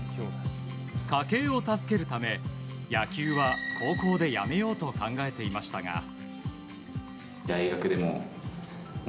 家計を助けるため野球は高校でやめようと考えていましたが。